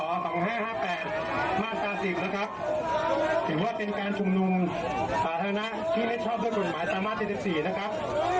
มาตราสิบนะครับถือว่าเป็นการชุมนุมสาธารณะที่เล็กชอบด้วยกฎหมายตามมาตราสี่สิบสี่นะครับ